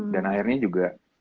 dan akhirnya juga